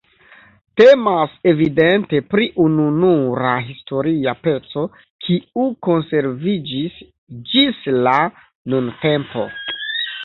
Temas evidente pri ununura historia peco, kiu konserviĝis ĝis la nuntempo.